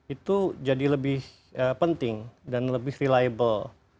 itu jadi lebih penting dan lebih reliable